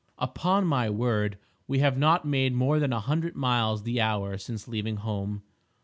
Upon my word we have not made more than a hundred miles the hour since leaving home!